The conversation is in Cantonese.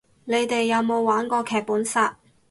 你哋有冇玩過劇本殺